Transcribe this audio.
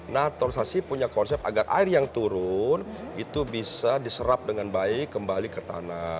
naturalisasi punya konsep agar air yang turun itu bisa diserap dengan baik kembali ke tanah